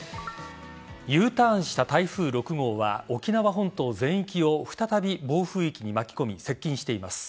Ｕターンした台風６号は沖縄本島全域を再び暴風域に巻き込み接近しています。